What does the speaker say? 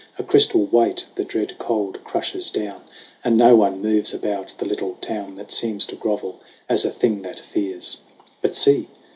A crystal weight the dread cold crushes down And no one moves about the little town That seems to grovel as a thing that fears. . But see